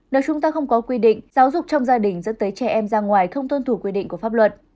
nếu chúng ta không có quy định giáo dục trong gia đình dẫn tới trẻ em ra ngoài không tuân thủ quy định của pháp luật